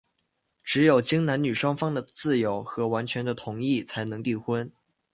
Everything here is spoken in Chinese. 只有经男女双方的自由和完全的同意,才能缔婚。